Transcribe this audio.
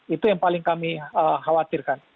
itu yang paling kami khawatirkan